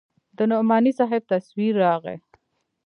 د نعماني صاحب تصوير راغى.